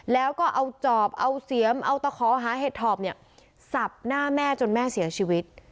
แล้วก็เอาจอบเอาเสียมเอาตะขอหาเห็ดถอบเนี่ยสับหน้าแม่จนแม่เสียชีวิต